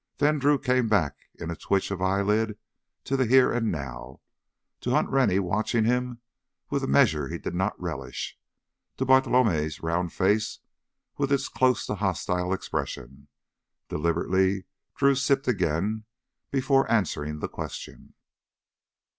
Then Drew came back in a twitch of eyelid to the here and now, to Hunt Rennie watching him with a measuring he did not relish, to Bartolomé's round face with its close to hostile expression. Deliberately Drew sipped again before answering the question.